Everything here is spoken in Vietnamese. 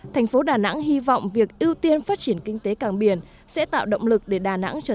thành phố đà nẵng hy vọng việc ưu tiên phát triển kinh tế càng biển sẽ tạo động lực để đà nẵng trở